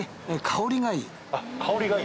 香りが良い。